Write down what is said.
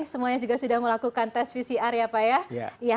semuanya juga sudah melakukan tes pcr ya pak ya